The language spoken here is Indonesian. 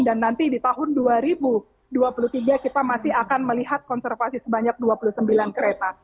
dan nanti di tahun dua ribu dua puluh tiga kita masih akan melihat konservasi sebanyak dua puluh sembilan kereta